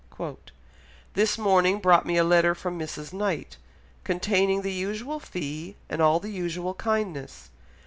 "This morning brought me a letter from Mrs. Knight, containing the usual fee, and all the usual kindness....